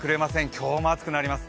今日も暑くなります。